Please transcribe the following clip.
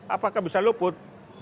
apakah bisa luput